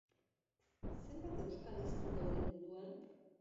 Zenbat euskal hiztun daude munduan?